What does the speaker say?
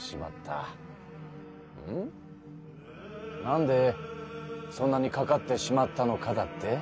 なんでそんなにかかってしまったのかだって？